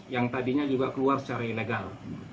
yang tadinya juga keluar secara ilegal